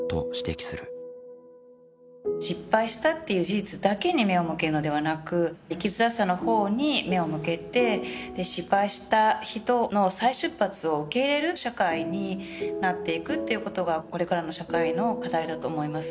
失敗したっていう事実だけに目を向けるのではなく生きづらさのほうに目を向けて失敗した人の再出発を受け入れる社会になっていくっていうことがこれからの社会の課題だと思います。